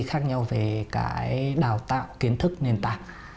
khác nhau về cái đào tạo kiến thức nền tảng